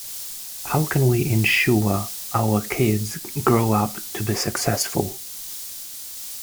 How can we ensure our kids grow up to be successful?